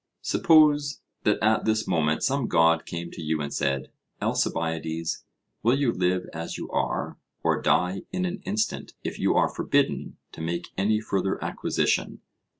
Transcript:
Suppose that at this moment some God came to you and said: Alcibiades, will you live as you are, or die in an instant if you are forbidden to make any further acquisition?